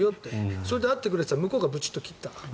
それで会ってくれって言ったら向こうがブチッと切った。